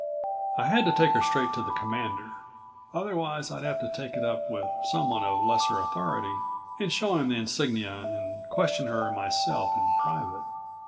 I had to take her straight to the Commander. Otherwise I'd have to take it up with someone of lesser authority and show him the insignia and question her myself in private.